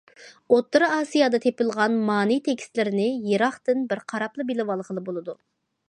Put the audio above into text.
ئوتتۇرا ئاسىيادا تېپىلغان مانى تېكىستلىرىنى يىراقتىن بىر قاراپلا بىلىۋالغىلى بولىدۇ.